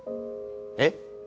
えっ？